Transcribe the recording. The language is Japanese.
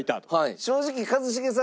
正直一茂さん